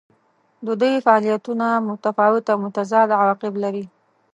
د دوی فعالیتونه متفاوت او متضاد عواقب لري.